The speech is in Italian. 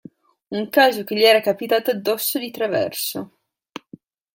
Un caso che gli era capitato addosso di traverso.